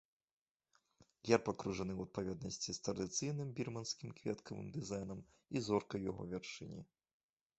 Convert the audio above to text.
Герб акружаны ў адпаведнасці з традыцыйным бірманскім кветкавым дызайнам і зоркай у яго вяршыні.